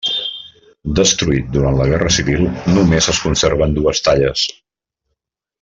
Destruït durant la guerra civil, només es conserven dues talles.